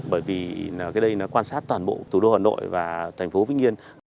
bởi vì cái đây nó quan sát toàn bộ thủ đô hà nội và thành phố vĩnh yên